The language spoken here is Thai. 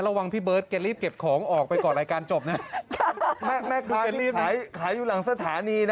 ระวังพี่เบิร์ตกันรีบเก็บของออกไปก่อนรายการจบนี่